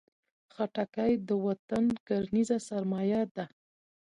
خټکی د وطن کرنیزه سرمایه ده.